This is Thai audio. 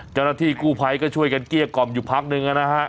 เจ้าหน้าที่กู้ภัยก็ช่วยกันเกลี้ยกล่อมอยู่พักหนึ่งนะฮะ